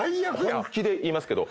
本気で言いますけど。